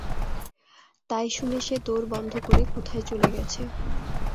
তাই শুনে সে দোর বন্ধ করে কোথায় চলে গেছে।